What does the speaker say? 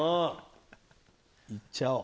行っちゃおう！